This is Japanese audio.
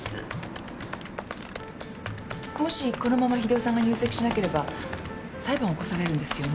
もしこのまま秀雄さんが入籍しなければ裁判起こされるんですよね？